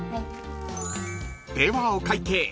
ではお会計］